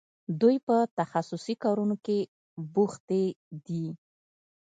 دوی په تخصصي کارونو کې بوختې دي.